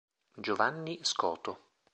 Giovanni Scoto